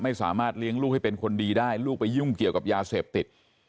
ไม่สามารถเลี้ยงลูกให้เป็นคนดีได้ลูกไปยุ่งเกี่ยวกับยาเสพติด